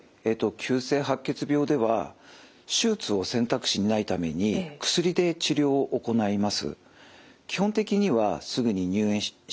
急性白血病では手術を選択肢にないために薬で治療を行います。